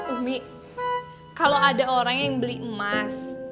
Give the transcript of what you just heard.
umi kalo ada orang yang beli emas